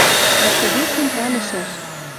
Иктӹ-весӹм пӓлӹшӓш.